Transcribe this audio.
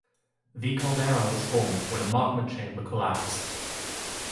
The Caldera was formed when a magma chamber collapsed.